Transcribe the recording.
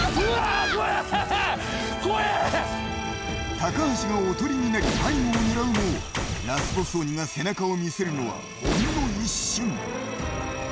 高橋がおとりになり、背後を狙うもラスボス鬼が背中を見せるのは、ほんの一瞬。